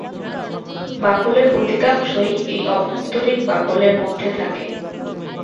বাকলের অধিকাংশই এই আভ্যন্তরীন বাকল এর মধ্যে থাকে।